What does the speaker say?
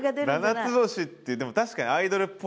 「七つ星」ってでも確かにアイドルっぽい。